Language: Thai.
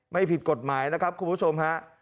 ไม่ผิดกฎหมายนะครับคุณผู้ชมฮะ